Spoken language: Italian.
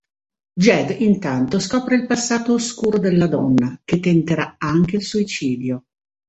Jed intanto scopre il passato oscuro della donna, che tenterà anche il suicidio.